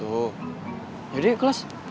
udah yuk kelas